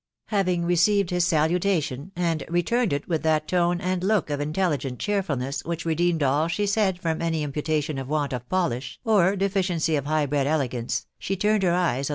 Having re ceived his salutation, and returned it with that tone and look of intelligent cheerfulness which redeemed all she said from any imputation of want of polish, or deficiency of high bred elegance, she turned her eyes on